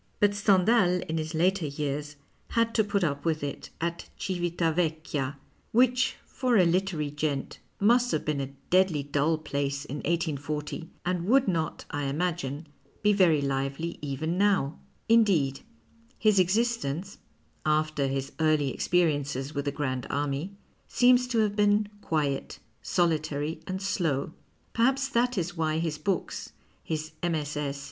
But Stendhal in his later years had to put up with it 'J 49 PASTICHE AND PREJUDICE at Civita Vecchia — which, for a " littery gent " must have been a deadly dull place in 18 10, and would not, I imagine, be very lively even now. Indeed, his existence (after his early experiences with the Grand Army) seems to have been quiet, solitary, and slow. Perhaps that is why his books, his MSS.